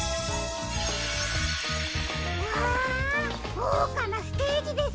うわごうかなステージですね。